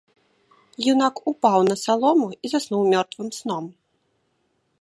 Юнак упаў на салому і заснуў мёртвым сном.